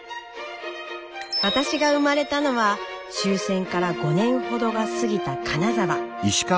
私が生まれたのは終戦から５年ほどが過ぎた金沢。